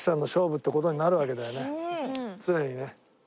常にね。